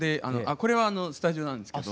これはスタジオなんですけど。